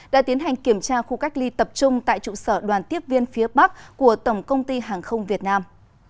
đã tiến hành kiểm tra khu cách ly tập trung tại trụ sở đoàn tiếp viên phía bắc của tổng công ty hàng không việt nam